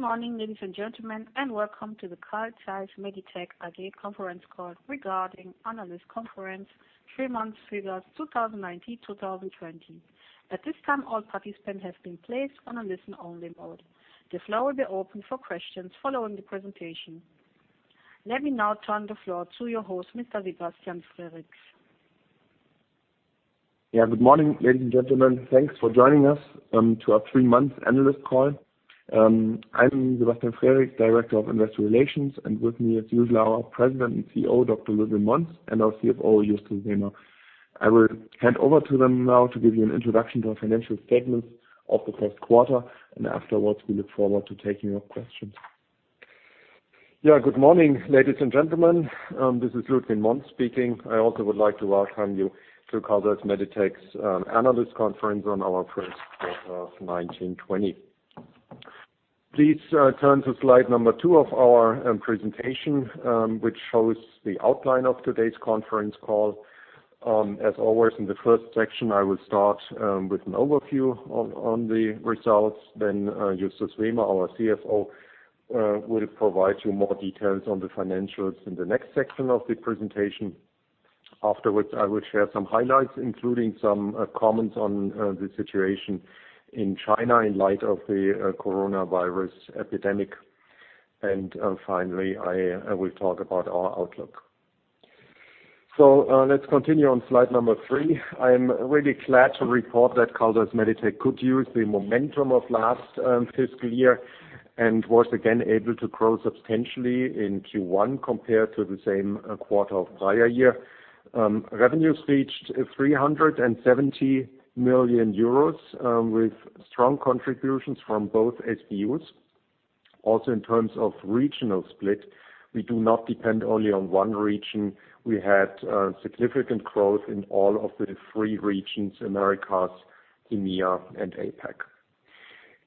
Good morning, ladies and gentlemen, and welcome to the Carl Zeiss Meditec AG conference call regarding analyst conference three months figures 2019/2020. At this time, all participants have been placed on a listen-only mode. The floor will be open for questions following the presentation. Let me now turn the floor to your host, Mr. Sebastian Frericks. Good morning, ladies and gentlemen. Thanks for joining us to our three-month analyst call. I'm Sebastian Frericks, Director of Investor Relations, and with me as usual are our President and CEO, Dr. Ludwin Monz, and our CFO, Justus Wehmer. I will hand over to them now to give you an introduction to our financial statements of the first quarter, and afterwards we look forward to taking your questions. Good morning, ladies and gentlemen. This is Ludwin Monz speaking. I also would like to welcome you to Carl Zeiss Meditec's analyst conference on our first quarter of 2019/2020. Please turn to slide number two of our presentation, which shows the outline of today's conference call. As always, in the first section, I will start with an overview on the results. Justus Wehmer, our CFO, will provide you more details on the financials in the next section of the presentation. Afterwards, I will share some highlights, including some comments on the situation in China in light of the coronavirus epidemic. Finally, I will talk about our outlook. Let's continue on slide number three. I'm really glad to report that Carl Zeiss Meditec could use the momentum of last fiscal year and was again able to grow substantially in Q1 compared to the same quarter of the prior year. Revenues reached 370 million euros with strong contributions from both SBUs. Also, in terms of regional split, we do not depend only on one region. We had significant growth in all of the three regions, Americas, EMEA and APAC.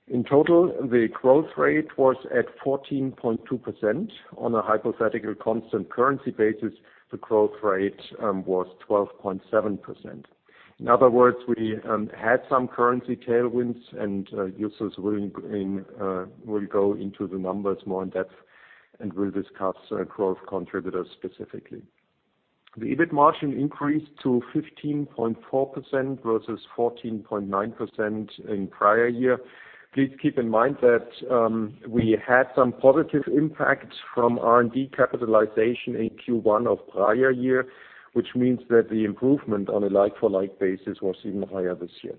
In total, the growth rate was at 14.2%. On a hypothetical constant currency basis, the growth rate was 12.7%. In other words, we had some currency tailwinds and Justus will go into the numbers more in-depth and will discuss growth contributors specifically. The EBIT margin increased to 15.4% versus 14.9% in prior year. Please keep in mind that we had some positive impact from R&D capitalization in Q1 of the prior year, which means that the improvement on a like-for-like basis was even higher this year.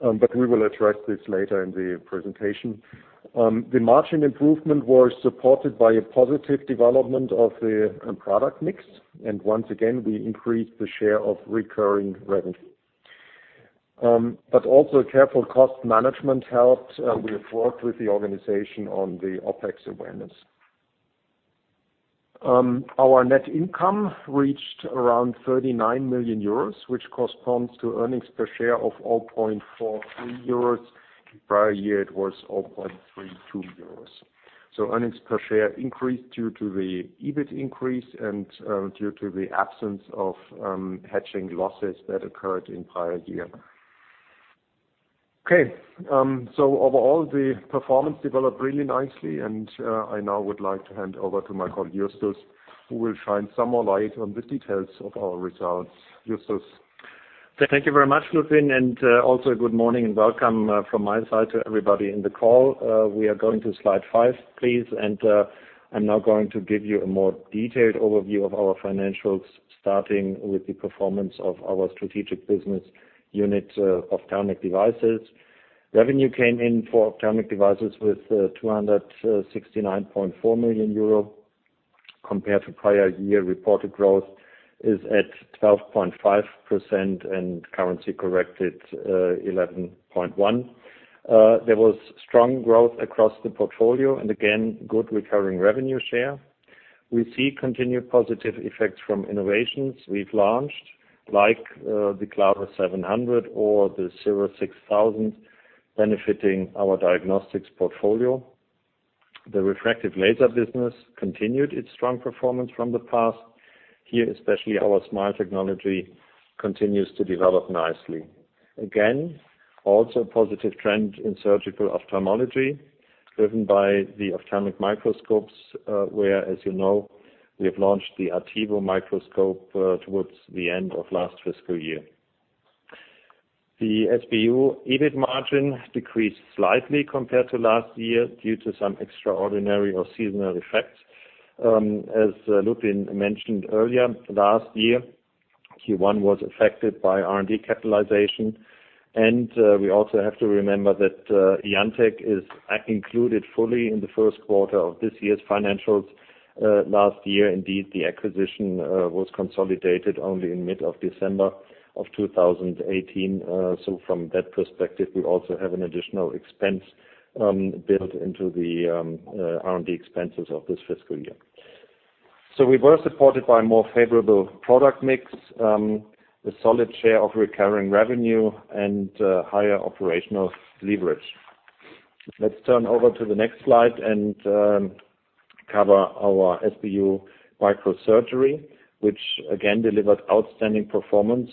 We will address this later in the presentation. The margin improvement was supported by a positive development of the product mix, and once again, we increased the share of recurring revenue. Also careful cost management helped. We have worked with the organization on the OPEX awareness. Our net income reached around 39 million euros, which corresponds to earnings per share of 0.43 euros. In the prior year, it was 0.32 euros. Earnings per share increased due to the EBIT increase and due to the absence of hedging losses that occurred in the prior year. Okay. Overall, the performance developed really nicely, and I now would like to hand over to my colleague, Justus, who will shine some more light on the details of our results. Justus. Thank you very much, Ludwin, and also good morning and welcome from my side to everybody in the call. We are going to slide five, please, and I'm now going to give you a more detailed overview of our financials, starting with the performance of our strategic business unit, Ophthalmic Devices. Revenue came in for Ophthalmic Devices with 269.4 million euro compared to prior year reported growth is at 12.5% and currency corrected 11.1%. There was strong growth across the portfolio and again, good recurring revenue share. We see continued positive effects from innovations we've launched, like the CLARUS 700 or the CIRRUS 6000, benefiting our diagnostics portfolio. The refractive laser business continued its strong performance from the past. Here, especially our SMILE technology continues to develop nicely. Again, also a positive trend in surgical ophthalmology driven by the ophthalmic microscopes, where, as you know, we have launched the ARTEVO microscope towards the end of last fiscal year. The SBU EBIT margin decreased slightly compared to last year due to some extraordinary or seasonal effects. As Ludwin mentioned earlier, last year, Q1 was affected by R&D capitalization, and we also have to remember that IanTECH is included fully in the first quarter of this year's financials. Last year, indeed, the acquisition was consolidated only in mid of December of 2018. From that perspective, we also have an additional expense built into the R&D expenses of this fiscal year. We were supported by a more favorable product mix, a solid share of recurring revenue, and higher operational leverage. Let's turn over to the next slide. Cover our SBU microsurgery, which again delivered outstanding performance.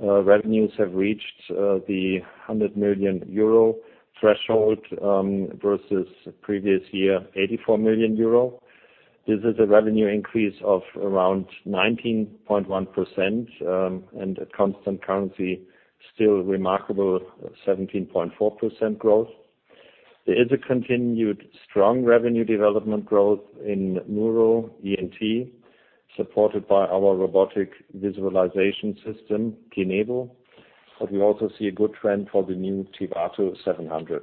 Revenues have reached the 100 million euro threshold versus previous year, 84 million euro. This is a revenue increase of around 19.1% and at constant currency, still remarkable 17.4% growth. There is a continued strong revenue development growth in neuro ENT, supported by our robotic visualization system, KINEVO, but we also see a good trend for the new TIVATO 700.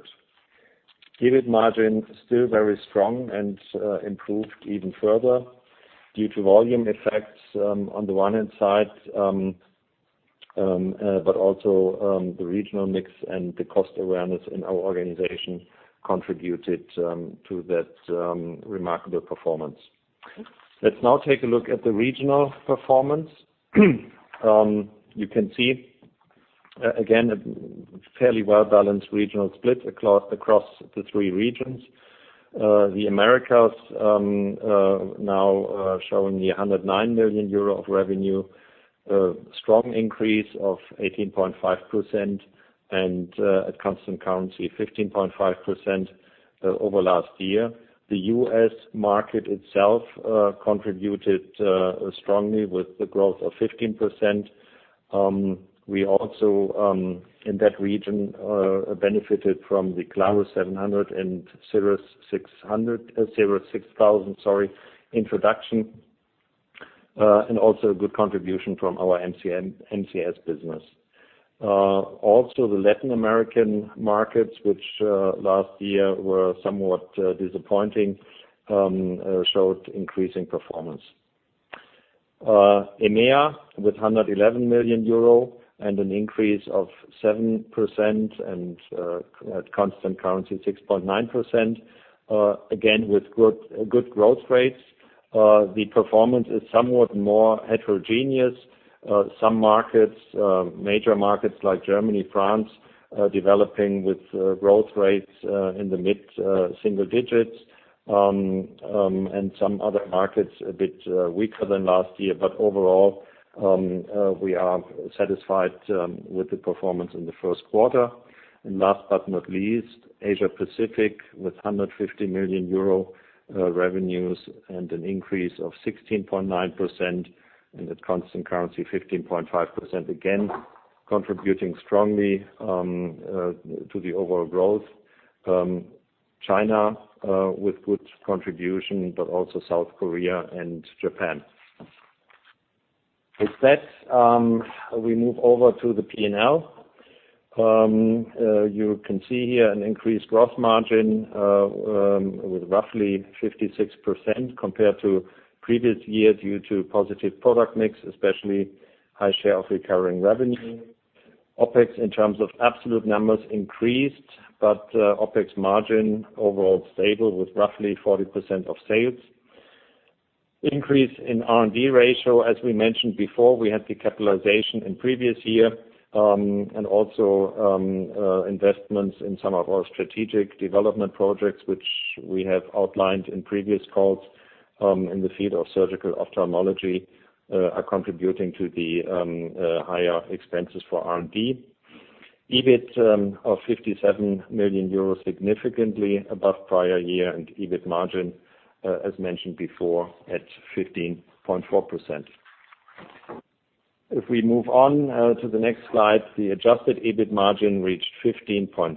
EBIT margin is still very strong and improved even further due to volume effects on the one hand side, but also the regional mix and the cost awareness in our organization contributed to that remarkable performance. Let's now take a look at the regional performance. You can see, again, a fairly well-balanced regional split across the three regions. The Americas now showing the 109 million euro of revenue, a strong increase of 18.5% and at constant currency, 15.5% over last year. The U.S. market itself contributed strongly with the growth of 15%. We also, in that region, benefited from the CLARUS 700 and CIRRUS 6000 introduction, and also a good contribution from our MCS business. The Latin American markets, which last year were somewhat disappointing, showed increasing performance. EMEA with 111 million euro and an increase of 7% and at constant currency, 6.9%, again with good growth rates. The performance is somewhat more heterogeneous. Some markets, major markets like Germany, France, developing with growth rates in the mid-single digits, and some other markets a bit weaker than last year. Overall, we are satisfied with the performance in the first quarter. Last but not least, Asia Pacific with 150 million euro revenues and an increase of 16.9%, and at constant currency, 15.5%, again, contributing strongly to the overall growth. China with good contribution, but also South Korea and Japan. With that, we move over to the P&L. You can see here an increased gross margin with roughly 56% compared to previous year due to positive product mix, especially high share of recurring revenue. OpEx in terms of absolute numbers increased. OpEx margin overall stable with roughly 40% of sales. Increase in R&D ratio, as we mentioned before, we had the capitalization in previous year. Also investments in some of our strategic development projects, which we have outlined in previous calls, in the field of surgical ophthalmology, are contributing to the higher expenses for R&D. EBIT of 57 million euros, significantly above prior year. EBIT margin, as mentioned before, at 15.4%. If we move on to the next slide, the adjusted EBIT margin reached 15.7%.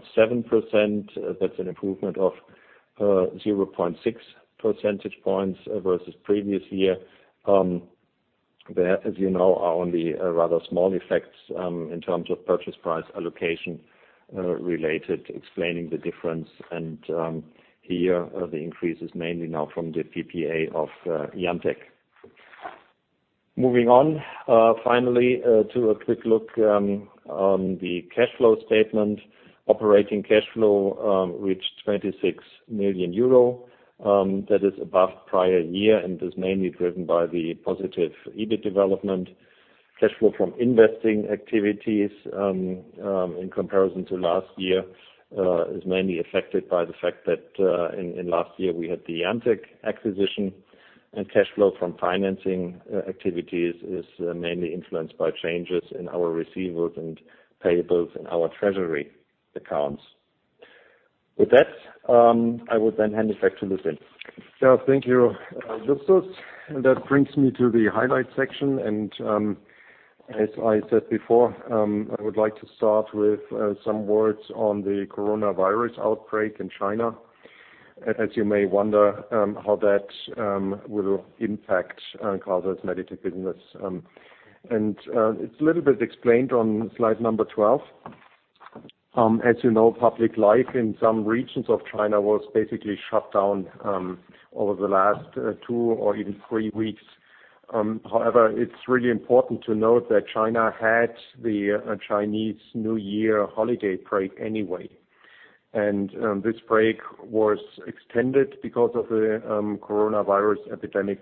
That's an improvement of 0.6 percentage points versus previous year. There, as you know, are only rather small effects in terms of purchase price allocation, related to explaining the difference. Here, the increase is mainly now from the PPA of IanTECH. Moving on, finally, to a quick look on the cash flow statement. Operating cash flow reached 26 million euro. That is above prior year and is mainly driven by the positive EBIT development. Cash flow from investing activities, in comparison to last year, is mainly affected by the fact that in last year, we had the IanTECH acquisition, and cash flow from financing activities is mainly influenced by changes in our receivables and payables in our treasury accounts. With that, I would then hand it back to Ludwin. Thank you, Justus. That brings me to the highlight section. As I said before, I would like to start with some words on the coronavirus outbreak in China, as you may wonder how that will impact Carl Zeiss Meditec business. It's a little bit explained on slide number 12. As you know, public life in some regions of China was basically shut down over the last two or even three weeks. However, it's really important to note that China had the Chinese New Year holiday break anyway. This break was extended because of the coronavirus epidemic.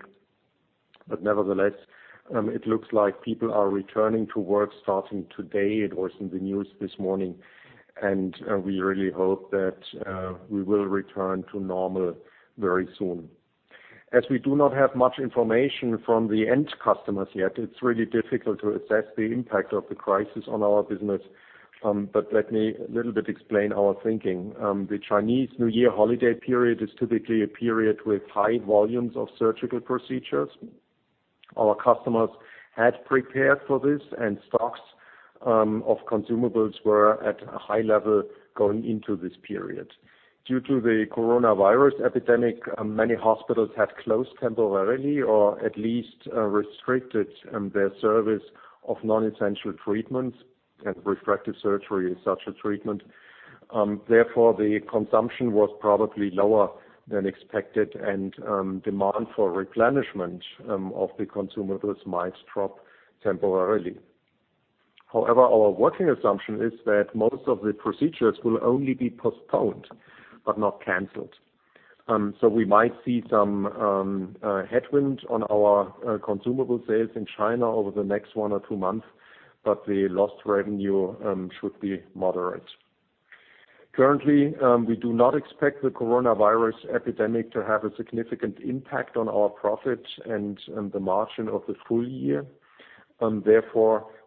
Nevertheless, it looks like people are returning to work starting today. It was in the news this morning, and we really hope that we will return to normal very soon. As we do not have much information from the end customers yet, it's really difficult to assess the impact of the crisis on our business. Let me a little bit explain our thinking. The Chinese New Year holiday period is typically a period with high volumes of surgical procedures. Our customers had prepared for this, and stocks of consumables were at a high level going into this period. Due to the COVID epidemic, many hospitals had closed temporarily or at least restricted their service of non-essential treatments, and refractive surgery is such a treatment. Therefore, the consumption was probably lower than expected, and demand for replenishment of the consumables might drop temporarily. However, our working assumption is that most of the procedures will only be postponed but not canceled. We might see some headwinds on our consumable sales in China over the next one or two months, but the lost revenue should be moderate. Currently, we do not expect the coronavirus epidemic to have a significant impact on our profit and the margin of the full year.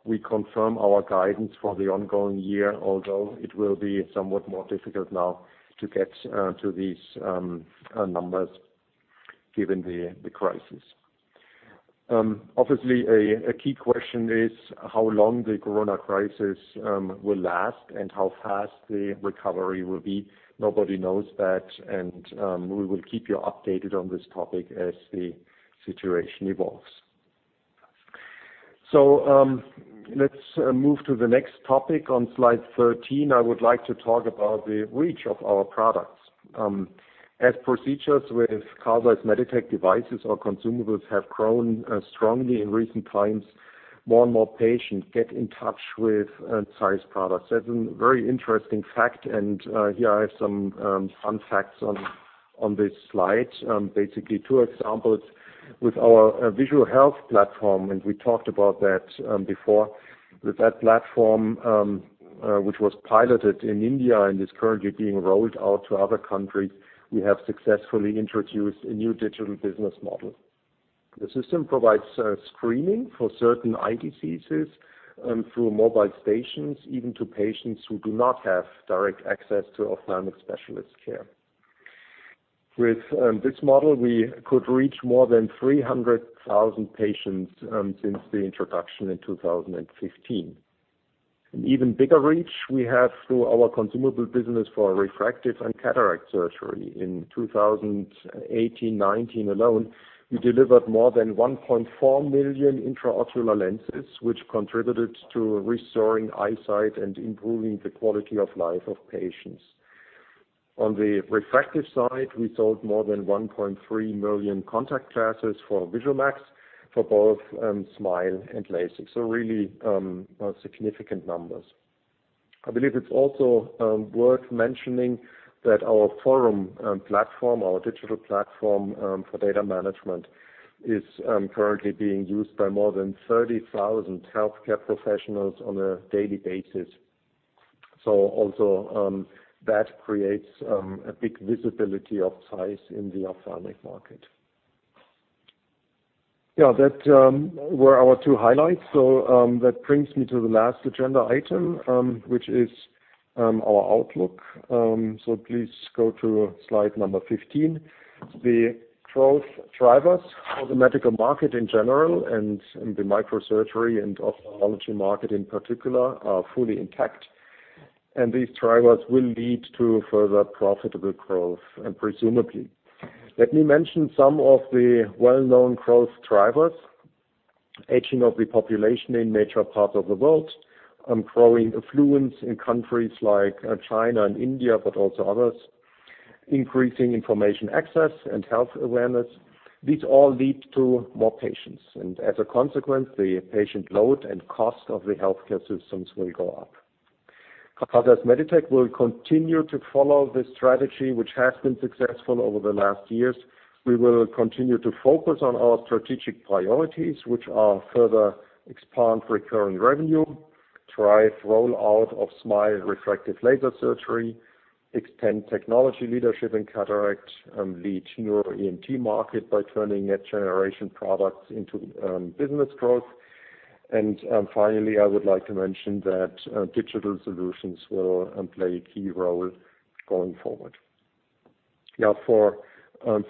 We confirm our guidance for the ongoing year, although it will be somewhat more difficult now to get to these numbers given the crisis. Obviously, a key question is how long the corona crisis will last and how fast the recovery will be. Nobody knows that, and we will keep you updated on this topic as the situation evolves. Let's move to the next topic. On slide 13, I would like to talk about the reach of our products. As procedures with Carl Zeiss Meditec devices or consumables have grown strongly in recent times, more and more patients get in touch with ZEISS products. That's a very interesting fact, and here I have some fun facts on this slide. Basically, two examples with our visual health platform, and we talked about that before. With that platform, which was piloted in India and is currently being rolled out to other countries, we have successfully introduced a new digital business model. The system provides screening for certain eye diseases through mobile stations, even to patients who do not have direct access to ophthalmic specialist care. With this model, we could reach more than 300,000 patients since the introduction in 2015. An even bigger reach we have through our consumable business for refractive and cataract surgery. In 2018-2019 alone, we delivered more than 1.4 million intraocular lenses, which contributed to restoring eyesight and improving the quality of life of patients. On the refractive side, we sold more than 1.3 million contact glasses for VisuMax for both SMILE and LASIK. Really, significant numbers. I believe it's also worth mentioning that our FORUM platform, our digital platform for data management, is currently being used by more than 30,000 healthcare professionals on a daily basis. Also that creates a big visibility of size in the ophthalmic market. That were our two highlights. That brings me to the last agenda item, which is our outlook. Please go to slide number 15. The growth drivers for the medical market in general and the microsurgery and ophthalmology market in particular are fully intact, and these drivers will lead to further profitable growth presumably. Let me mention some of the well-known growth drivers. Aging of the population in major parts of the world, growing affluence in countries like China and India, but also others. Increasing information access and health awareness. These all lead to more patients, and as a consequence, the patient load and cost of the healthcare systems will go up. Carl Zeiss Meditec will continue to follow this strategy, which has been successful over the last years. We will continue to focus on our strategic priorities, which are further expand recurring revenue, drive roll-out of SMILE refractive laser surgery, extend technology leadership in cataracts, lead neuro ENT market by turning next-generation products into business growth, and finally, I would like to mention that digital solutions will play a key role going forward. For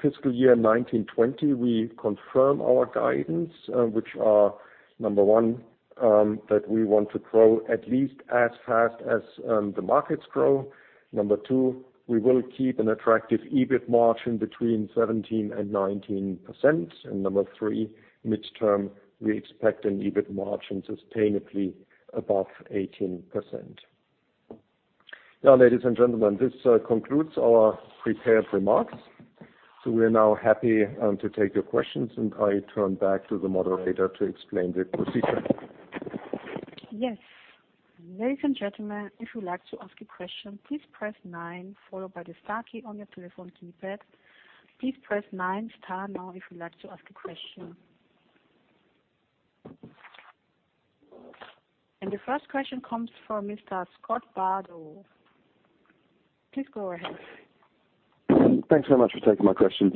fiscal year 2019-2020, we confirm our guidance, which are, number one, that we want to grow at least as fast as the markets grow. Number two, we will keep an attractive EBIT margin between 17% and 19%. Number three, midterm, we expect an EBIT margin sustainably above 18%. Ladies and gentlemen, this concludes our prepared remarks. We are now happy to take your questions, and I turn back to the moderator to explain the procedure. Yes. Ladies and gentlemen, if you'd like to ask a question, please press nine, followed by the star key on your telephone keypad. Please press nine star now if you'd like to ask a question. The first question comes from Mr. Scott Bardo. Please go ahead. Thanks so much for taking my questions.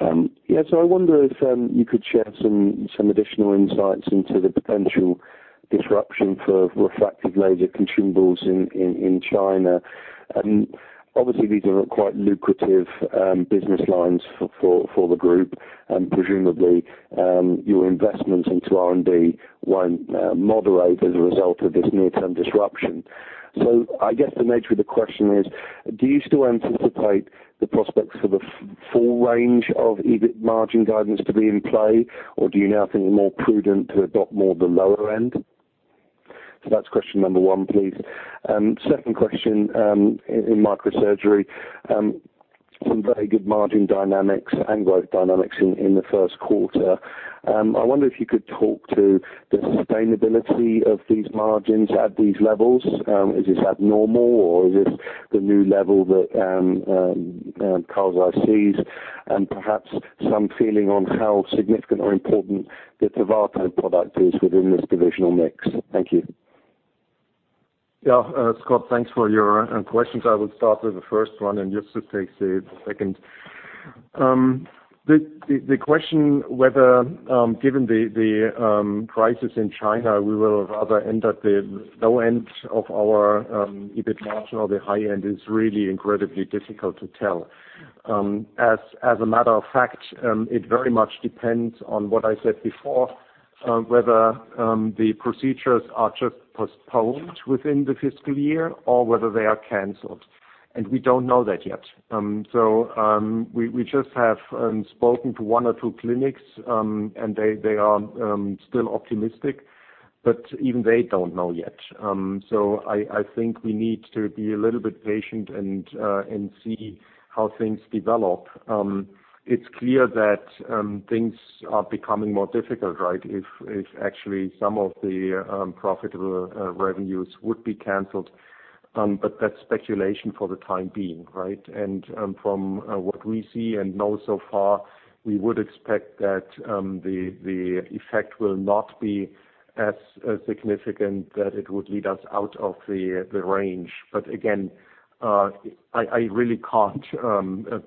Yeah. I wonder if you could share some additional insights into the potential disruption for refractive laser consumables in China. Obviously, these are quite lucrative business lines for the group, and presumably, your investments into R&D won't moderate as a result of this near-term disruption. I guess the nature of the question is: do you still anticipate the prospects for the full range of EBIT margin guidance to be in play, or do you now think it more prudent to adopt more the lower end? That's question number one, please. Second question, in microsurgery, some very good margin dynamics and growth dynamics in the first quarter. I wonder if you could talk to the sustainability of these margins at these levels. Is this abnormal, or is this the new level that Carl Zeiss Meditec? Perhaps some feeling on how significant or important the TIVATO product is within this divisional mix. Thank you. Yeah, Scott, thanks for your questions. I will start with the first one. Justus takes the second. The question whether, given the crisis in China, we will rather end at the low end of our EBIT margin or the high end is really incredibly difficult to tell. As a matter of fact, it very much depends on what I said before, whether the procedures are just postponed within the fiscal year or whether they are canceled. We don't know that yet. We just have spoken to one or two clinics, and they are still optimistic, but even they don't know yet. I think we need to be a little bit patient and see how things develop. It's clear that things are becoming more difficult, right? If actually some of the profitable revenues would be canceled, but that's speculation for the time being, right? From what we see and know so far, we would expect that the effect will not be as significant that it would lead us out of the range. Again, I really can't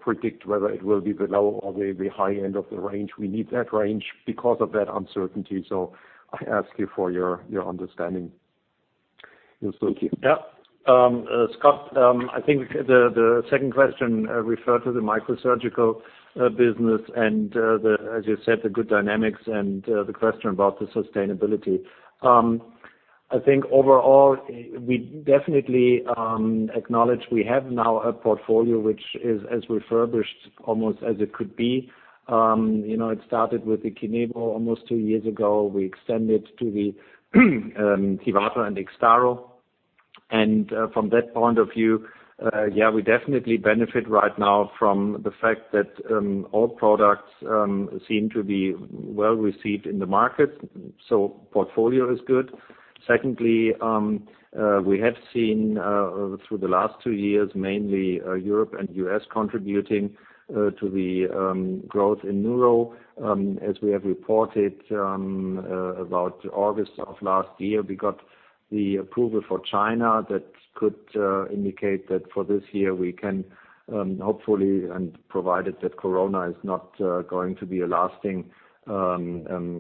predict whether it will be the low or the high end of the range. We need that range because of that uncertainty. I ask you for your understanding. Justus. Thank you. Yeah. Scott, I think the second question referred to the microsurgical business and as you said, the good dynamics and the question about the sustainability. I think overall, we definitely acknowledge we have now a portfolio which is as refurbished almost as it could be. It started with the KINEVO almost two years ago. We extended to the TIVATO and EXTARO. From that point of view, yeah, we definitely benefit right now from the fact that all products seem to be well received in the market. The portfolio is good. Secondly, we have seen through the last two years, mainly Europe and U.S. contributing to the growth in neuro. As we have reported about August of last year, we got the approval for China. That could indicate that for this year, we can hopefully, and provided that COVID is not going to be a lasting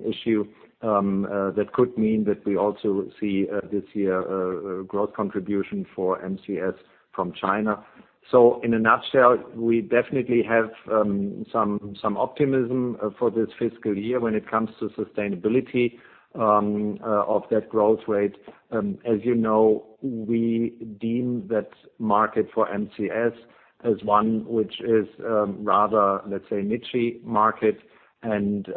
issue, that could mean that we also see this year a growth contribution for MCS from China. In a nutshell, we definitely have some optimism for this fiscal year when it comes to sustainability of that growth rate. As you know, we deem that market for MCS as one which is rather, let's say, niche-y market, and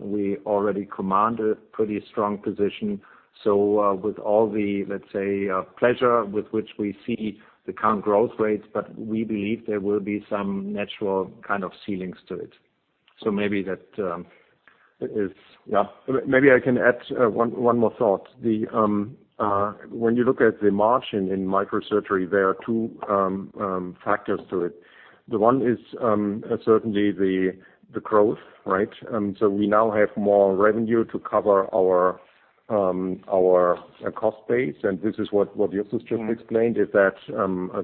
we already command a pretty strong position. With all the, let's say, pleasure with which we see the current growth rates, but we believe there will be some natural kind of ceilings to it. Maybe that is Yeah. Maybe I can add one more thought. When you look at the margin in microsurgery, there are two factors to it. The one is certainly the growth, right? We now have more revenue to cover our cost base, and this is what Justus just explained, is that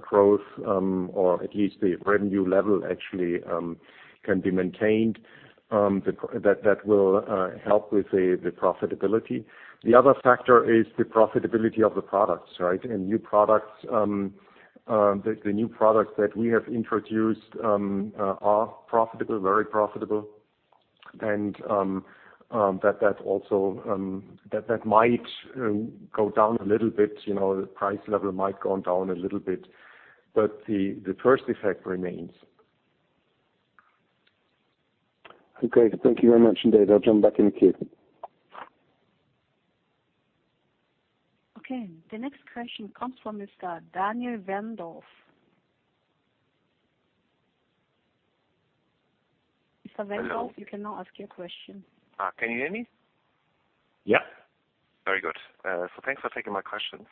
growth or at least the revenue level actually can be maintained. That will help with the profitability. The other factor is the profitability of the products, right? The new products that we have introduced are profitable, very profitable, and that might go down a little bit. The price level might go down a little bit. The first effect remains. Okay. Thank you very much indeed. I'll jump back in the queue. Okay. The next question comes from Mr. Daniel Wendorff. Mr. Wendorff, you can now ask your question. Can you hear me? Yeah. Very good. Thanks for taking my questions.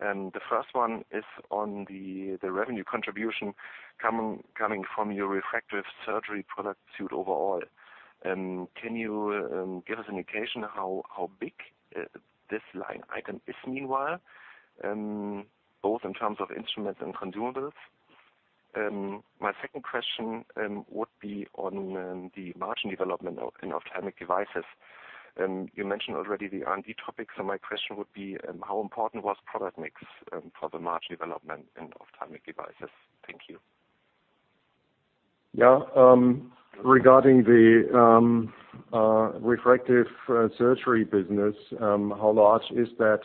The first one is on the revenue contribution coming from your refractive surgery product suite overall. Can you give us an indication how big this line item is meanwhile, both in terms of instruments and consumables? My second question would be on the margin development in Ophthalmic Devices. You mentioned already the R&D topic, my question would be, how important was product mix for the margin development in Ophthalmic Devices? Thank you. Yeah. Regarding the refractive surgery business, how large is that?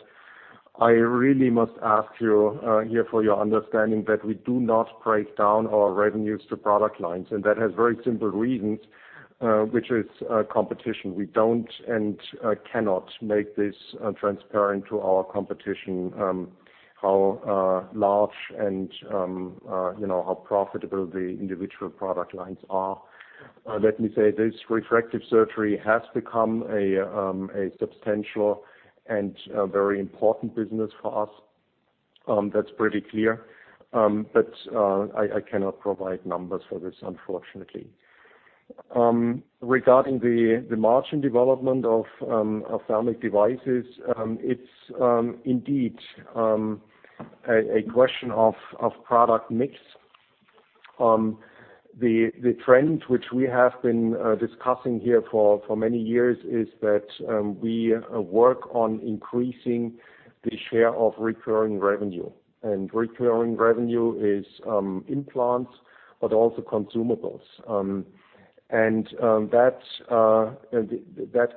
I really must ask you here for your understanding that we do not break down our revenues to product lines. That has very simple reasons, which is competition. We don't and cannot make this transparent to our competition, how large and how profitable the individual product lines are. Let me say this, refractive surgery has become a substantial and very important business for us. That's pretty clear, I cannot provide numbers for this, unfortunately. Regarding the margin development of Ophthalmic Devices, it's indeed a question of product mix. The trend which we have been discussing here for many years is that we work on increasing the share of recurring revenue. Recurring revenue is implants, but also consumables. That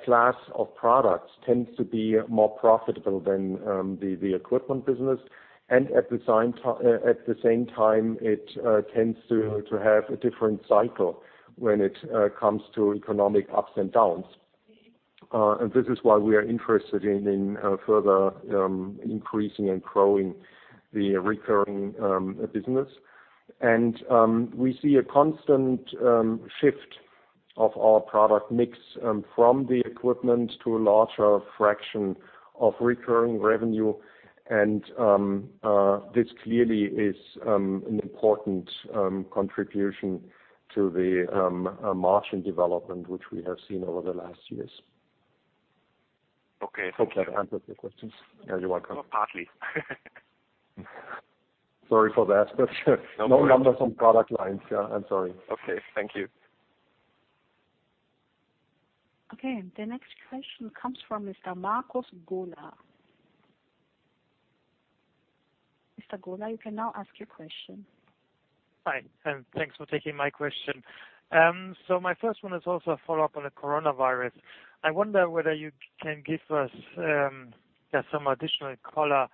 class of products tends to be more profitable than the equipment business. At the same time, it tends to have a different cycle when it comes to economic ups and downs. This is why we are interested in further increasing and growing the recurring business. We see a constant shift of our product mix from the equipment to a larger fraction of recurring revenue. This clearly is an important contribution to the margin development, which we have seen over the last years. Okay. Hope that answered your questions. Yeah, you're welcome. Well, partly. Sorry for that, no numbers on product lines. Yeah, I'm sorry. Okay. Thank you. Okay, the next question comes from Mr. Markus Gola. Mr. Gola, you can now ask your question. Hi, thanks for taking my question. My first one is also a follow-up on the coronavirus. I wonder whether you can give us some additional color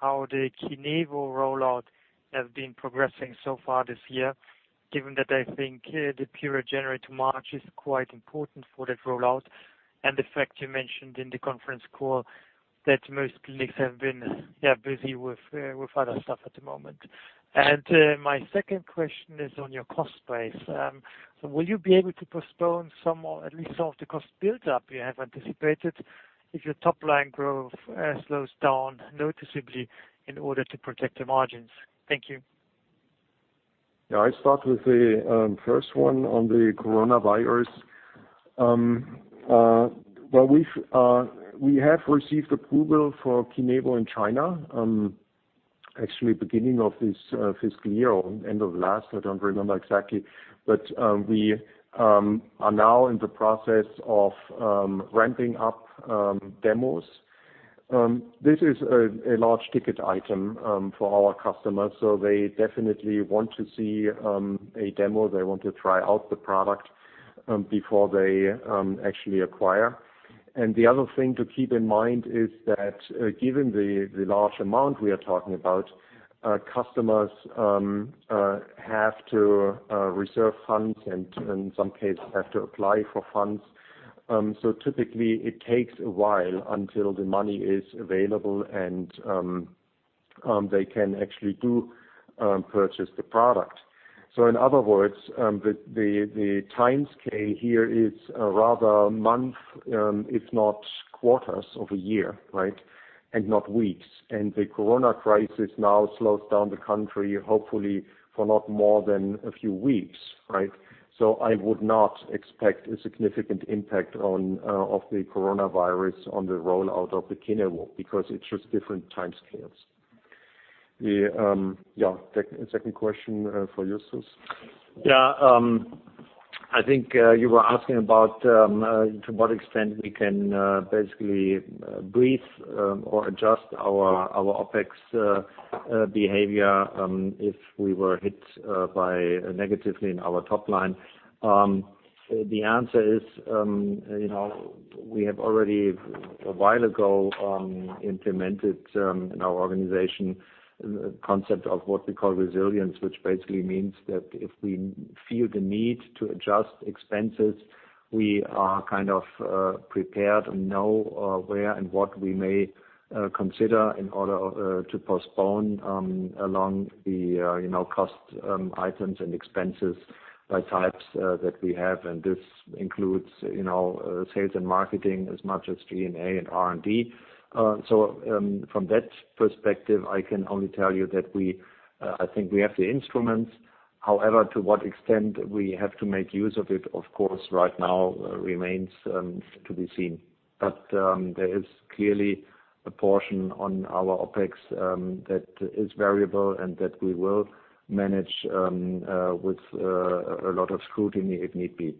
how the KINEVO rollout has been progressing so far this year, given that I think the period January to March is quite important for that rollout, and the fact you mentioned in the conference call that most clinics have been busy with other stuff at the moment. My second question is on your cost base. Will you be able to postpone some, or at least some of the cost build-up you have anticipated, if your top-line growth slows down noticeably in order to protect the margins? Thank you. I start with the first one on the coronavirus. Well, we have received approval for KINEVO in China, actually beginning of this fiscal year or end of last, I don't remember exactly. We are now in the process of ramping up demos. This is a large ticket item for our customers, so they definitely want to see a demo. They want to try out the product before they actually acquire. The other thing to keep in mind is that, given the large amount we are talking about, customers have to reserve funds and in some cases have to apply for funds. Typically, it takes a while until the money is available and they can actually do purchase the product. In other words, the timescale here is rather month, if not quarters of a year, right, and not weeks. The coronavirus now slows down the country, hopefully for not more than a few weeks. Right? I would not expect a significant impact of the coronavirus on the rollout of the KINEVO because it's just different timescales. Yeah. Second question for Justus. Yeah. I think you were asking about to what extent we can basically breathe or adjust our OPEX behavior, if we were hit negatively in our top line. The answer is, we have already a while ago implemented in our organization a concept of what we call resilience, which basically means that if we feel the need to adjust expenses We are kind of prepared and know where and what we may consider in order to postpone along the cost items and expenses by types that we have. This includes sales and marketing as much as G&A and R&D. From that perspective, I can only tell you that I think we have the instruments. However, to what extent we have to make use of it, of course, right now remains to be seen. There is clearly a portion on our OpEx that is variable and that we will manage with a lot of scrutiny if need be.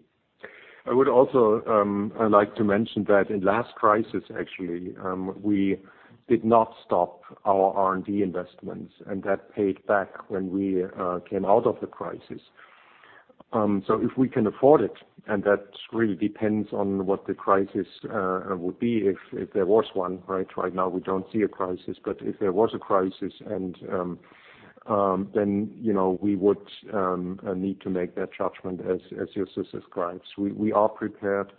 I would also like to mention that in last crisis, actually, we did not stop our R&D investments, and that paid back when we came out of the crisis. If we can afford it, and that really depends on what the crisis would be, if there was one, right? Right now we don't see a crisis, but if there was a crisis then we would need to make that judgment as Justus describes. We are prepared.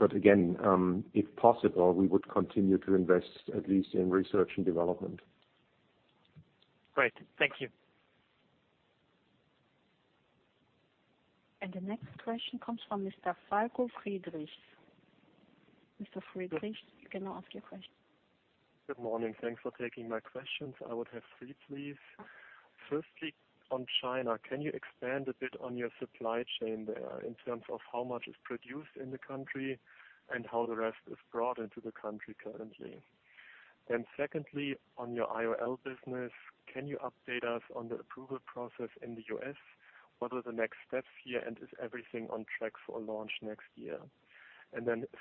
Again, if possible, we would continue to invest, at least in research and development. Great. Thank you. The next question comes from Mr. Falko Friedrichs. Mr. Friedrichs, you can now ask your question. Good morning. Thanks for taking my questions. I would have three, please. Firstly, on China, can you expand a bit on your supply chain there in terms of how much is produced in the country and how the rest is brought into the country currently? Secondly, on your IOL business, can you update us on the approval process in the U.S.? What are the next steps here, and is everything on track for launch next year?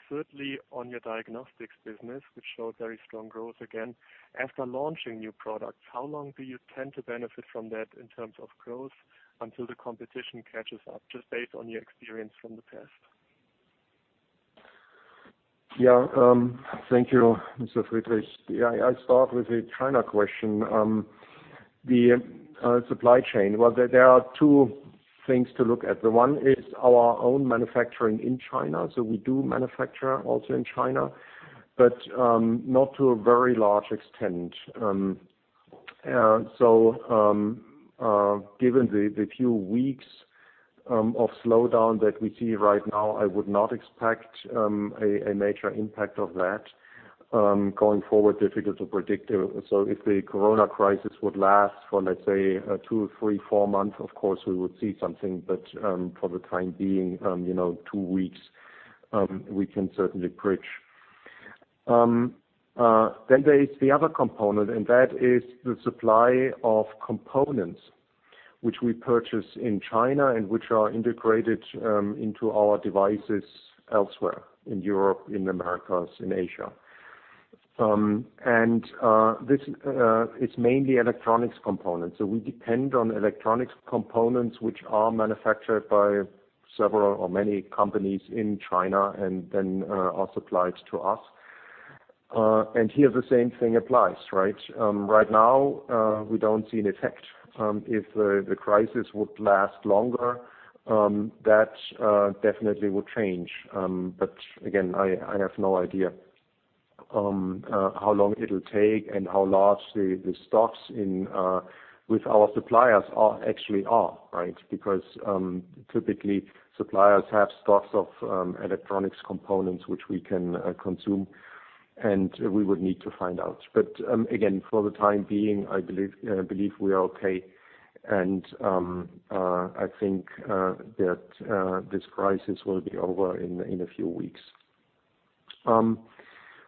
Thirdly, on your diagnostics business, which showed very strong growth again. After launching new products, how long do you tend to benefit from that in terms of growth until the competition catches up, just based on your experience from the past? Thank you, Mr. Friedrichs. I'll start with the China question. The supply chain. Well, there are two things to look at. One is our own manufacturing in China. We do manufacture also in China, but not to a very large extent. Given the few weeks of slowdown that we see right now, I would not expect a major impact of that. Going forward, difficult to predict. If the coronavirus crisis would last for, let's say two, three, four months, of course we would see something. For the time being, two weeks, we can certainly bridge. There is the other component, and that is the supply of components which we purchase in China and which are integrated into our devices elsewhere, in Europe, in the Americas, in Asia. This is mainly electronics components. We depend on electronics components which are manufactured by several or many companies in China and then are supplied to us. Here the same thing applies, right? Right now, we don't see an effect. If the crisis would last longer, that definitely would change. Again, I have no idea how long it'll take and how large the stocks with our suppliers actually are, right? Typically, suppliers have stocks of electronics components which we can consume, and we would need to find out. Again, for the time being, I believe we are okay. I think that this crisis will be over in a few weeks.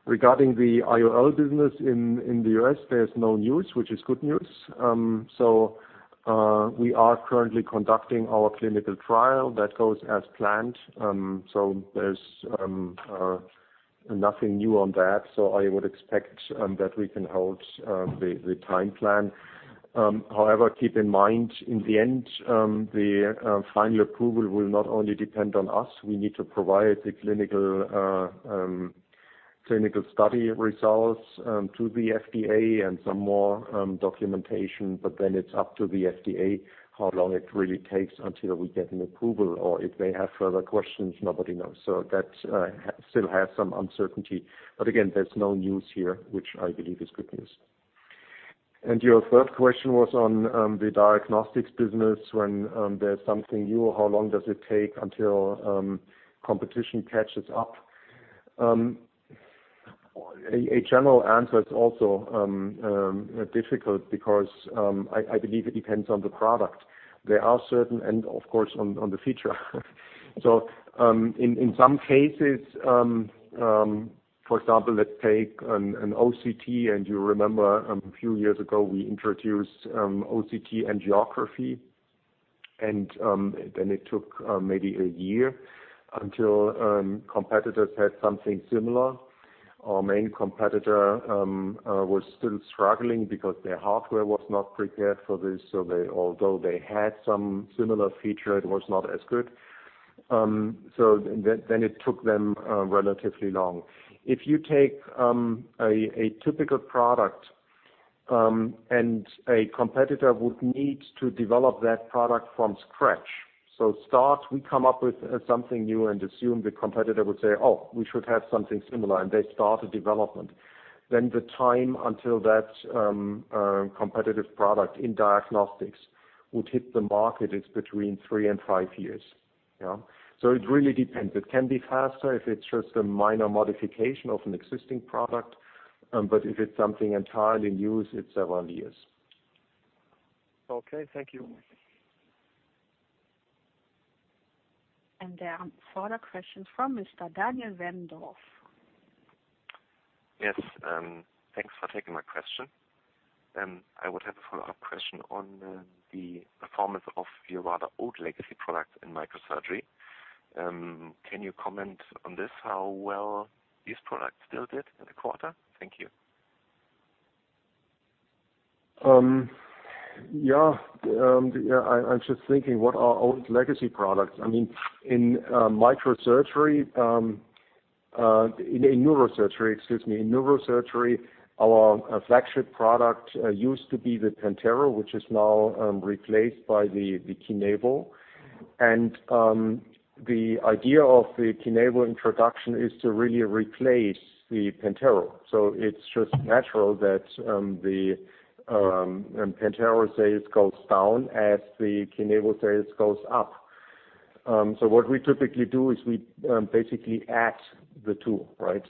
Regarding the IOL business in the U.S., there is no news, which is good news. We are currently conducting our clinical trial. That goes as planned. There's nothing new on that. I would expect that we can hold the time plan. However, keep in mind, in the end, the final approval will not only depend on us. We need to provide the clinical study results to the FDA and some more documentation, it's up to the FDA how long it really takes until we get an approval, or if they have further questions, nobody knows. That still has some uncertainty. Again, there's no news here, which I believe is good news. Your third question was on the diagnostics business. When there's something new, how long does it take until competition catches up? A general answer is also difficult because I believe it depends on the product. Of course, on the feature. In some cases, for example, let's take an OCT, and you remember a few years ago, we introduced OCT angiography. It took maybe one year until competitors had something similar. Our main competitor was still struggling because their hardware was not prepared for this. Although they had some similar feature, it was not as good. It took them relatively long. If you take a typical product. A competitor would need to develop that product from scratch. Start, we come up with something new and assume the competitor would say, "Oh, we should have something similar," and they start a development. The time until that competitive product in diagnostics would hit the market is between three and five years. It really depends. It can be faster if it's just a minor modification of an existing product, but if it's something entirely new, it's several years. Okay. Thank you. There are further questions from Mr. Daniel Wendorff. Yes. Thanks for taking my question. I would have a follow-up question on the performance of your rather old legacy product in microsurgery. Can you comment on this, how well these products still did in the quarter? Thank you. Yeah. I'm just thinking what are old legacy products. In neurosurgery, excuse me. In neurosurgery, our flagship product used to be the PENTERO, which is now replaced by the KINEVO. The idea of the KINEVO introduction is to really replace the PENTERO. It's just natural that the PENTERO sales goes down as the KINEVO sales goes up. What we typically do is we basically add the two, right?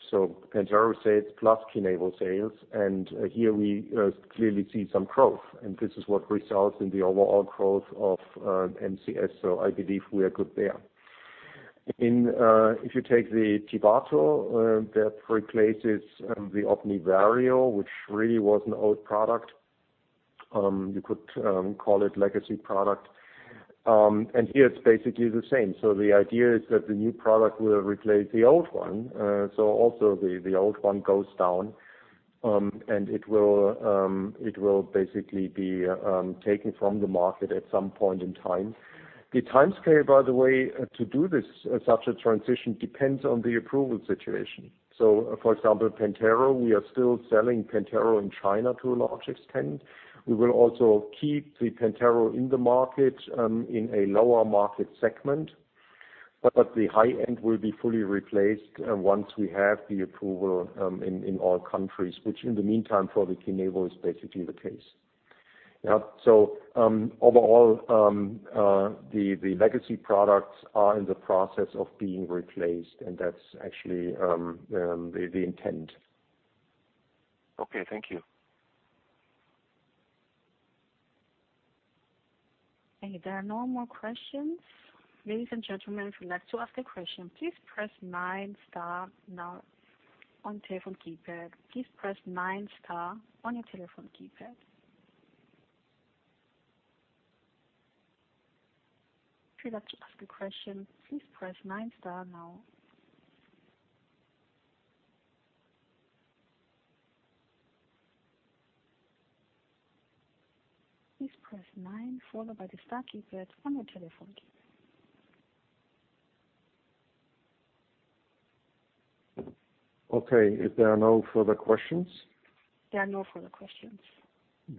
PENTERO sales plus KINEVO sales, and here we clearly see some growth, and this is what results in the overall growth of MCS. I believe we are good there. If you take the TIVATO, that replaces the OmniVario, which really was an old product. You could call it legacy product. Here it's basically the same. The idea is that the new product will replace the old one. Also the old one goes down, and it will basically be taken from the market at some point in time. The timescale, by the way, to do this, such a transition, depends on the approval situation. For example, PENTERO, we are still selling PENTERO in China to a large extent. We will also keep the PENTERO in the market, in a lower market segment. The high-end will be fully replaced once we have the approval in all countries, which in the meantime, for the KINEVO is basically the case. Yeah. Overall, the legacy products are in the process of being replaced, and that's actually the intent. Okay, thank you. Okay. There are no more questions. Ladies and gentlemen, if you'd like to ask a question, please press nine star now on telephone keypad. Please press nine star on your telephone keypad. If you'd like to ask a question, please press nine star now. Please press nine followed by the star keypad on your telephone keypad. Okay. If there are no further questions? There are no further questions.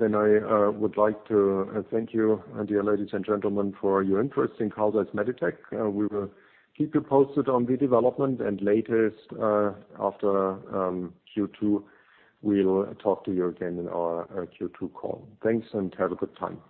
I would like to thank you, dear ladies and gentlemen, for your interest in Carl Zeiss Meditec. We will keep you posted on the development, and latest after Q2, we'll talk to you again in our Q2 call. Thanks and have a good time.